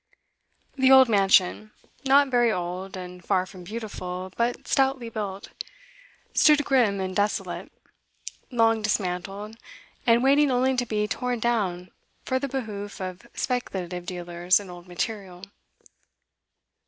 The old mansion not very old, and far from beautiful, but stoutly built stood grim and desolate, long dismantled, and waiting only to be torn down for the behoof of speculative dealers in old material.